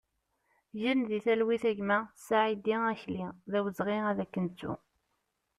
Gen di talwit a gma Saïdi Akli, d awezɣi ad k-nettu!